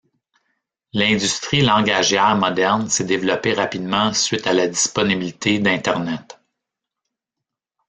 L’industrie langagière moderne s’est développée rapidement suite à la disponibilité d’internet.